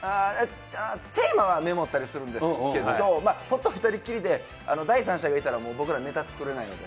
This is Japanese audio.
テーマはメモったりするんですけど、本当２人きりで、第三者がいたらもう僕らネタ作れないんで。